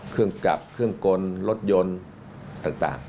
เครื่องกลับเครื่องกลรถยนต์ต่าง